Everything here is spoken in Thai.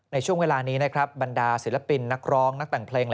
ในช่วงเวลานี้นะครับบรรดาศิลปินนักร้องนักแต่งเพลง